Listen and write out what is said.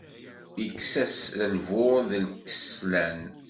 Ikkes-as lbur d lkeslan.